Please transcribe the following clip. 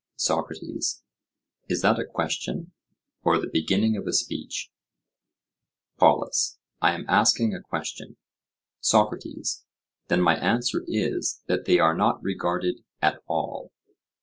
SOCRATES: Is that a question or the beginning of a speech? POLUS: I am asking a question. SOCRATES: Then my answer is, that they are not regarded at all.